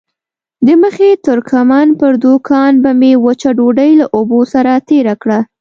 د مخي ترکمن پر دوکان به مې وچه ډوډۍ له اوبو سره تېره کړه.